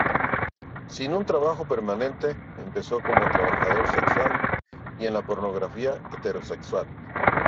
Sin un trabajo permanente, empezó como trabajador sexual y en la pornografía heterosexual.